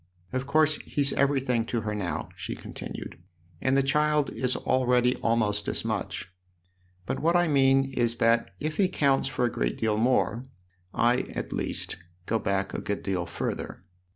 Of course he's everything to her now," she continued, " and the child is already almost as much ; but what I mean is that if he counts for a great deal more, I, at least, go back a good deal further.